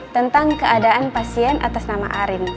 tentang keadaan pasien atas nama arin